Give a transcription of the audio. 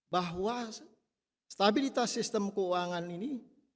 bahwa stabilitas sistem keuangan ini